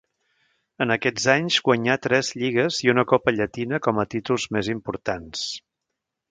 En aquests anys guanyà tres lligues i una Copa Llatina com a títols més importants.